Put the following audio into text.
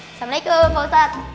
assalamualaikum pak ustadz